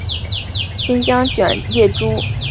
新疆卷叶蛛为卷叶蛛科卷叶蛛属的动物。